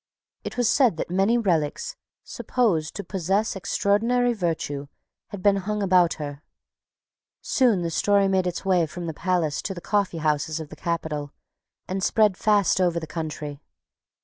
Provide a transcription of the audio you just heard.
It was said that many relics, supposed to possess extraordinary virtue, had been hung about her. Soon the story made its way from the palace to the coffeehouses of the capital, and spread fast over the country.